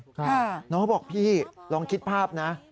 น้องเขาบอกพี่ลองคิดภาพนะ